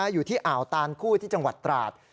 อยู่ที่อ่าวตานคู่ที่จังหวัดตราด